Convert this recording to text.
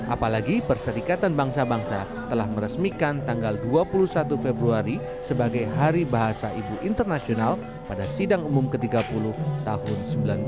apalagi perserikatan bangsa bangsa telah meresmikan tanggal dua puluh satu februari sebagai hari bahasa ibu internasional pada sidang umum ke tiga puluh tahun seribu sembilan ratus sembilan puluh